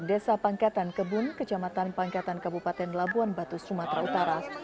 desa pangkatan kebun kejamatan pangkatan kabupaten labuan batu sumatera utara